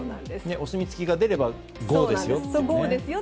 お墨付きが出ればゴーですよね。